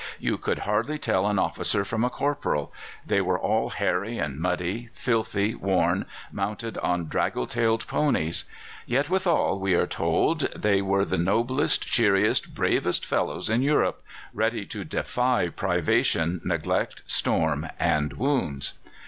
You could hardly tell an officer from a corporal. They were all hairy and muddy, filthy, worn, mounted on draggle tailed ponies. Yet withal we are told they were the noblest, cheeriest, bravest fellows in Europe ready to defy privation, neglect, storm, and wounds.